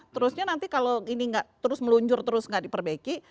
terusnya nanti kalau ini nggak terus meluncur terus nggak diperbaiki